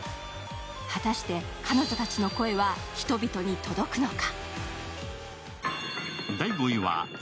果たして彼女たちの声は人々に届くのか。